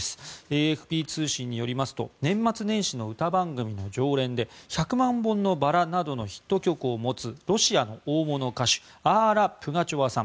ＡＦＰ通信によりますと年末年始の歌番組の常連で「百万本のバラ」などのヒット曲を持つロシアの大物歌手アーラ・プガチョワさん。